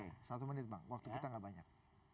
oke satu menit bang waktu kita nggak banyak